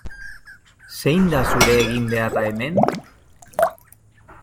Zein da zure eginbeharra hemen?